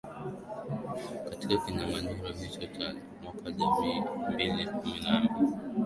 katika kinyanganyiro hicho cha mwaka elfu mbili kumi na mbili